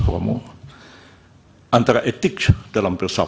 romo antara etik dalam persoalan